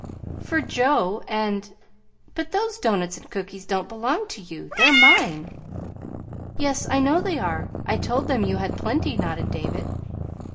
"For Joe and But those doughnuts and cookies don't belong to you. They're mine!" "Yes, I know they are. I told them you had plenty," nodded David.